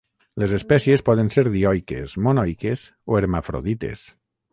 Les espècies poden ser dioiques, monoiques o hermafrodites.